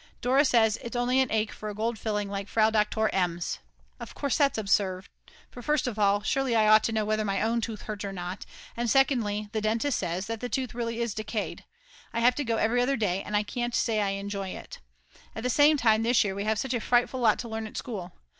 Dora says it's only an ache for a gold filling like Frau Doktor M.'s. Of course that's absurd; for first of all, surely I ought to know whether my own tooth hurts or not, and secondly the dentist says that the tooth really is decayed. I have to go every other day and I can't say I enjoy it. At the same time, this year we have such a frightful lot to learn at school.